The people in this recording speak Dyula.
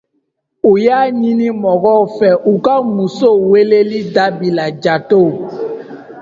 U y’a ɲini mɔgɔw fɛ u ka musow weleli dabila jatɔw.